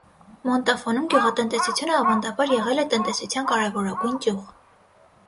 Մոնտաֆոնում գյուղատնտեսությունը ավանդաբար եղել է տնտեսության կարևորագույն ճյուղ։